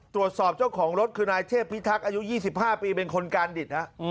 เจ้าของรถคือนายเทพพิทักษ์อายุ๒๕ปีเป็นคนการดิต